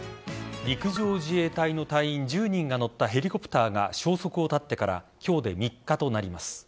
陸上自衛隊の隊員１０人が乗ったヘリコプターが消息を絶ってから今日で３日となります。